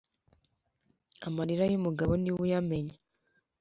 Amarira y’umugabo niwe uya menya